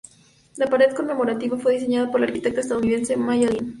La Pared Conmemorativa fue diseñada por la arquitecta estadounidense Maya Lin.